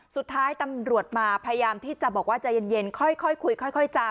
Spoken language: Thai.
สุดท้ายตำรวจมาพยายามที่จะบอกว่าใจเย็นค่อยคุยค่อยจา